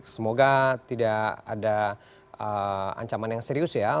semoga tidak ada ancaman yang serius ya